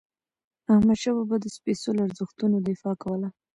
احمدشاه بابا د سپيڅلو ارزښتونو دفاع کوله.